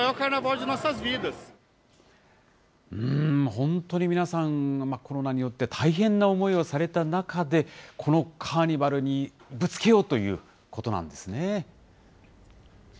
本当に皆さん、コロナによって大変な思いをされた中で、このカーニバルにぶつけようということなんですね。